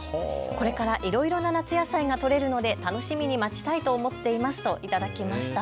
これからいろいろな夏野菜が取れるので楽しみに待ちたいと思っていますといただきました。